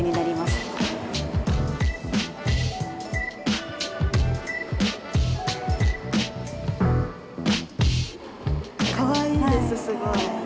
かわいいですすごい。